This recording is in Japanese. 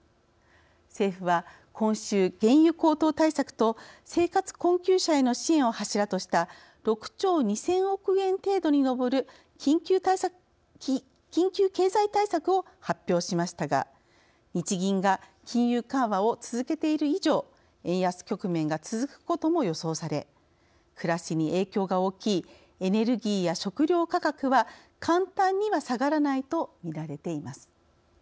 政府は今週、原油高騰対策と生活困窮者への支援を柱とした６兆２０００億円程度に上る緊急経済対策を発表しましたが日銀が金融緩和を続けている以上円安局面が続くことも予想され暮らしに影響が大きいエネルギーや食料価格は簡単には下がらないと見られています。